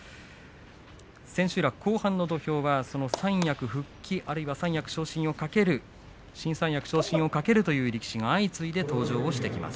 千秋楽後半の土俵は三役復帰、あるいは新三役昇進を懸けるという力士が相次いで登場してきます。